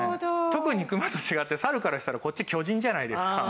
特にクマと違ってサルからしたらこっち巨人じゃないですか。